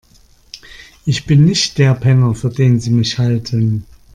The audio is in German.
Ich bin nicht der Penner, für den Sie mich halten.